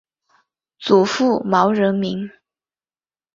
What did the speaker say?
祖父毛仁民。